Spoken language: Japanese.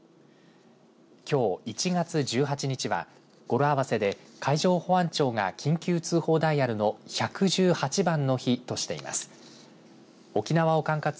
きょう、１月１８日は語呂合わせで、海上保安庁が緊急通報ダイヤルの１１８番の日としています。